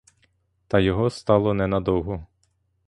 Та його стало не надовго.